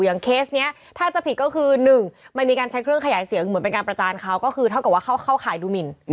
เคสนี้ถ้าจะผิดก็คือ๑มันมีการใช้เครื่องขยายเสียงเหมือนเป็นการประจานเขาก็คือเท่ากับว่าเข้าข่ายดูหมิน